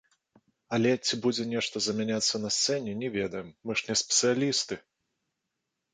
Але, ці будзе нешта замяняцца на сцэне, не ведаем, мы ж не спецыялісты!